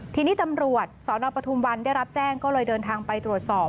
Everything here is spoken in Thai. ทีนี้ตำรวจสนปทุมวันได้รับแจ้งก็เลยเดินทางไปตรวจสอบ